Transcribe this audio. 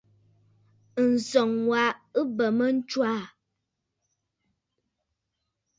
Ǹsɔŋ wa wa ɨ bè mə a ntswaà.